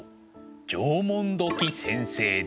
縄文土器先生です。